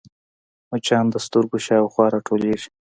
مچان د سترګو شاوخوا راټولېږي